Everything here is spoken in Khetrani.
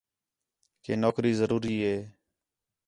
کہ نوکری ضروری ہِے